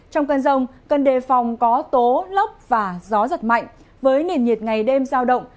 trong cơn rồng cơn đề phòng có tố lấp và gió giật mạnh với nền nhiệt ngày đêm giao động